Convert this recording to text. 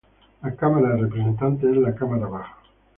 La Cámara de Representantes es la Cámara baja.